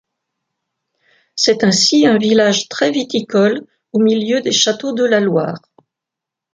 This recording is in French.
C'est ainsi un village très viticole au milieu des châteaux de la Loire.